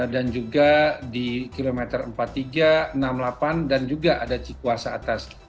juga di kilometer empat puluh tiga enam puluh delapan dan juga ada cikuasa atas